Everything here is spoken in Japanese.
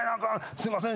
「すいません。